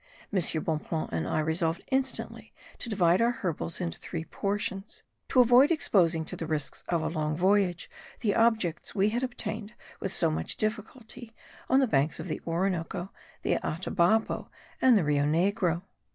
M. Bonpland and I resolved instantly to divide our herbals into three portions, to avoid exposing to the risks of a long voyage the objects we had obtained with so much difficulty on the banks of the Orinoco, the Atabapo and the Rio Negro.